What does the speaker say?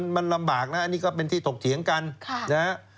มันลำบากนะนี่ก็เป็นที่ตกเถียงกัน